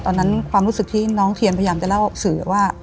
ความรู้สึกที่น้องเทียนพยายามจะเล่าสื่อว่า